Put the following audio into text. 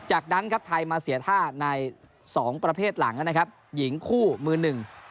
จากนั้นครับไทยมาเสียท่าในสองประเภทหลังนะครับหญิงคู่มือหนึ่ง